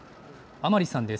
甘利さんです。